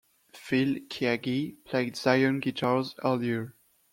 Phil Keaggy played Zion Guitars earlier.